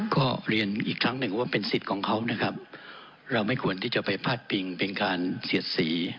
ก็เรียนอีกครั้งหนึ่งว่าเป็นสิทธิ์ของเขานะครับเราไม่ควรที่จะไปพาดพิงเป็นการเสียดสี